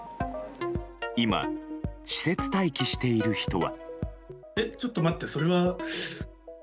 今、施設待機している人は。